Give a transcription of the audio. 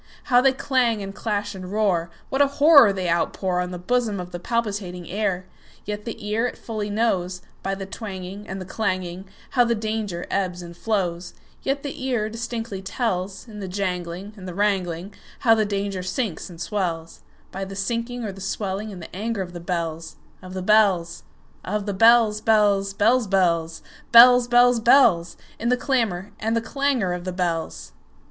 How they clang, and clash, and roar! What a horror they outpourOn the bosom of the palpitating air! Yet the ear it fully knows, By the twangingAnd the clanging, How the danger ebbs and flows; Yet the ear distinctly tells, In the janglingAnd the wrangling, How the danger sinks and swells,—By the sinking or the swelling in the anger of the bells, Of the bells, Of the bells, bells, bells, bells, Bells, bells, bells—In the clamor and the clangor of the bells!